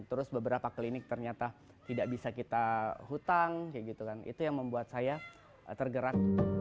terus beberapa klinik ternyata tidak bisa kita hutang itu yang membuat saya tergerak